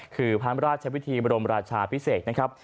คือพระราชวิธีบรมราชาพิเศษนะครับ